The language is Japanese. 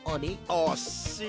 おっしい！